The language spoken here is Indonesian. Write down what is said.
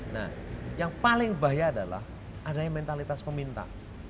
nah yang paling bahaya adalah adanya mentalitas peminta